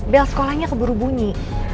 bel sekolahnya keburu bunyi